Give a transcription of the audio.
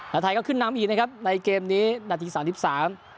ไทยก็ขึ้นน้ำมีนะครับไนเกมนี้นัดทีสามสิบสาม